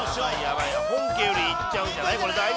本家よりいっちゃうんじゃない？